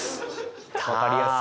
分かりやすい。